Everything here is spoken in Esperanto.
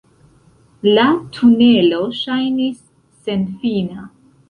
La tunelo ŝajnis senfina.